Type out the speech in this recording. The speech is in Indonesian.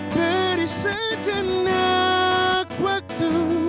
beri sejenak waktu